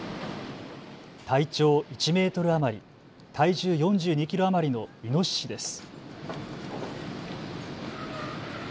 体長１メートル余り体重４２キロ余りのイノシシです。